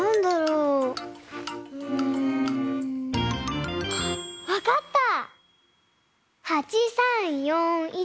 うん。あっわかった！